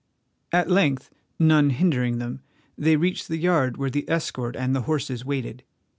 At length, none hindering them, they reached the yard where the escort and the horses waited.